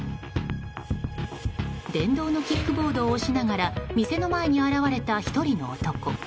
電動のキックボードを押しながら店の前に現れた１人の男。